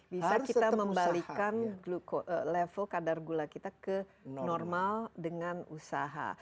bisa kita membalikan level kadar gula kita ke normal dengan usaha